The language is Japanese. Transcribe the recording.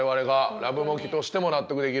ラブモキュとしても納得できる。